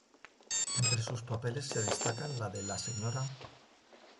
Entre sus papeles se destacan la de la Sra.